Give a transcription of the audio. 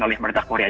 oleh pemerintah korea